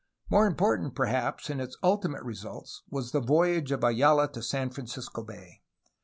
More important, perhaps, in its ultimate results was the voyage of Ayala to San Francisco Bay.